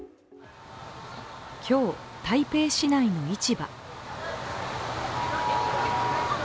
今日、台北市内の市場。